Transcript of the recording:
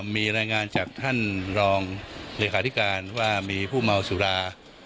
มีรายงานจากท่านรองเลขาธิการว่ามีผู้เมาสุรา